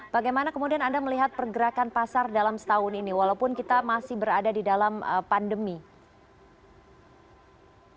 bagaimana kemudian anda melihat pergerakan pasar dalam setahun ini walaupun kita masih berada di dalam pandemi